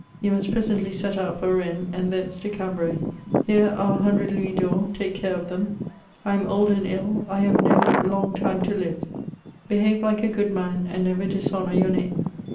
You must presently set out for Rennes, and thence to Cambray. Here are a hundred louis d'or ; take care of them. I am old and ill ; I have no long time to Uve. Behave Hke a good man, and never dishonour your name."